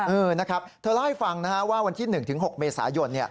เธอเล่าให้ฟังนะว่าวันที่วันที่๑๖เมษายน